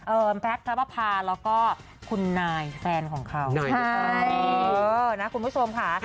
เอ่อแพทย์ทัพพาพาแล้วก็คุณนายแฟนของเขาใช่เออนะคุณผู้ชมค่ะครับ